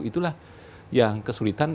itulah yang kesulitan